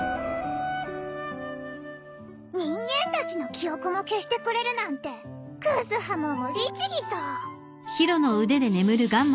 人間たちの記憶も消してくれるなんてクズハモンも律義さ。